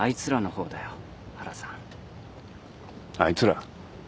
あいつら？